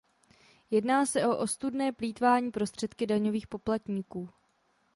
Jedná se o ostudné plýtvání prostředky daňových poplatníků.